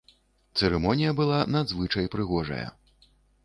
Цырымонія была надзвычай прыгожая.